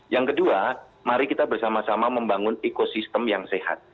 yang kedua mari kita bersama sama membangun ekosistem yang sehat